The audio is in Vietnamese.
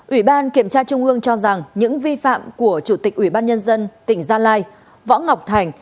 ủy ban kiểm tra trung ương cho rằng những vi phạm của chủ tịch ủy ban nhân dân tỉnh gia lai võ ngọc thành